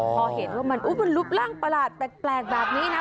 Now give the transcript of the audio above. พอเห็นว่ามันรูปร่างประหลาดแปลกแบบนี้นะ